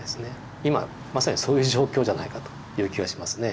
今まさにそういう状況じゃないかという気がしますね。